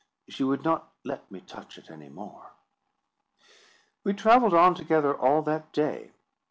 She would not let me touch it any more. We travelled on together all that day.